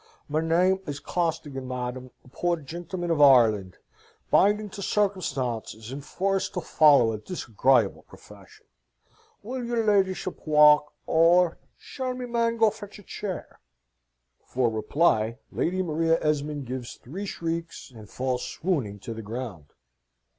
Me neem is Costigan, madam, a poor gentleman of Oireland, binding to circumstances and forced to follow a disagrayable profession. Will your leedyship walk, or shall me man go fetch a cheer?" For reply Lady Maria Esmond gives three shrieks, and falls swooning to the ground.